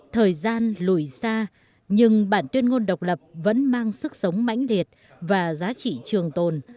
thời gian lùi xa nhưng bản tuyên ngôn độc lập vẫn mang sức sống mãnh liệt và giá trị trường tồn